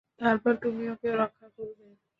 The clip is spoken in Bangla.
তারপর তুমি ওকে রক্ষা করবে।